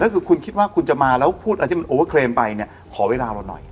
แต่ถ้าคุณคิดว่าคุณจะมาแล้วพูดอะไรที่มันไปเนี่ยขอเวลาเราหน่อย